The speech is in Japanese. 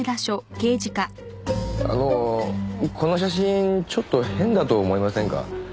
あのこの写真ちょっと変だと思いませんか？